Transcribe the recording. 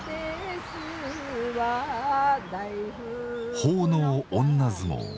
奉納女相撲。